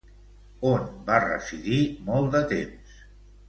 On va residir molt de temps?